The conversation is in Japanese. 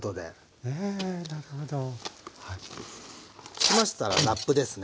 つけましたらラップですね。